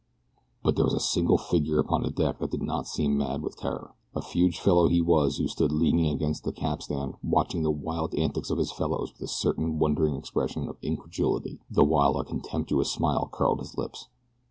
But there was a single figure upon the deck that did not seem mad with terror. A huge fellow he was who stood leaning against the capstan watching the wild antics of his fellows with a certain wondering expression of incredulity, the while a contemptuous smile curled his lips.